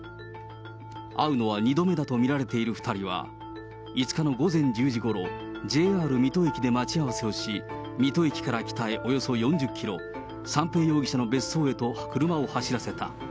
会うのは２度目だと見られている２人は、５日の午前１０時ごろ、ＪＲ水戸駅で待ち合わせをし、水戸駅から北へおよそ４０キロ、三瓶容疑者の別荘へと車を走らせた。